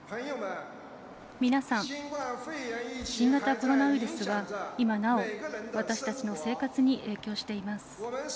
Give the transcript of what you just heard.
皆さん、新型コロナウイルスは今なお、私たちの生活に影響しています。